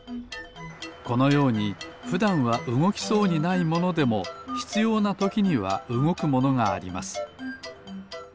このようにふだんはうごきそうにないものでもひつようなときにはうごくものがあります